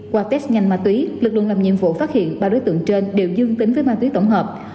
qua test nhanh ma túy lực lượng làm nhiệm vụ phát hiện ba đối tượng trên đều dương tính với ma túy tổng hợp